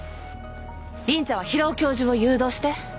凛ちゃんは平尾教授を誘導して。